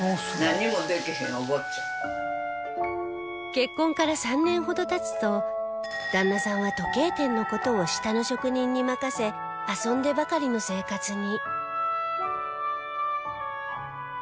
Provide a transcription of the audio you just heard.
結婚から３年ほど経つと旦那さんは時計店の事を下の職人に任せ遊んでばかりの生活に